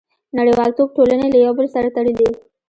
• نړیوالتوب ټولنې له یو بل سره تړلي.